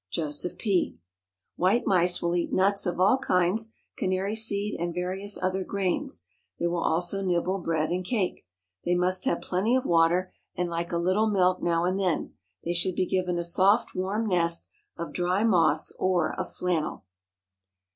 JOSEPH P. White mice will eat nuts of all kinds, canary seed, and various other grains. They will also nibble bread and cake. They must have plenty of water, and like a little milk now and then. They should be given a soft, warm nest of dry moss or of flannel.